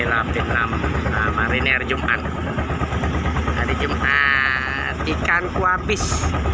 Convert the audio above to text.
nelafit enam mariner jumat hari jumat ikan kuabis